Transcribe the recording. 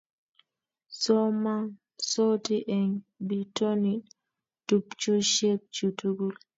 Somansoti eng' bitonin tupchosiekchu tugul